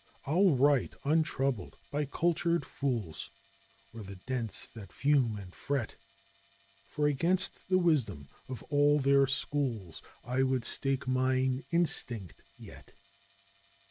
'I'll write untroubled by cultured fools, or the dense that fume and fret 'For against the wisdom of all their schools I would stake mine instinct yet!